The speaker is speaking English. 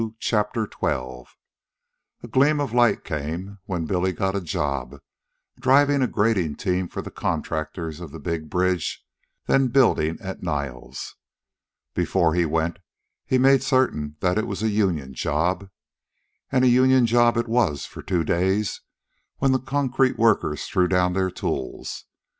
CHAPTER XII A gleam of light came, when Billy got a job driving a grading team for the contractors of the big bridge then building at Niles. Before he went he made certain that it was a union job. And a union job it was for two days, when the concrete workers threw down their tools.